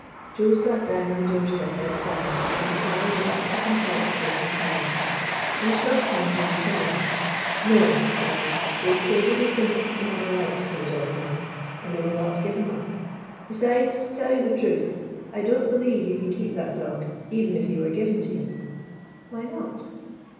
Joe sat down on the doorstep outside, and the father went to consult Chris and Helen. In a short time he returned. " No," said he. " They say they think they 92 IN THE GYPSY CAMP have a right to the dog now, and they will not give him up. Besides, to tell you the truth, I don't believe you can keep that dog, even if he were given to you." " Why not?"